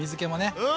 うん！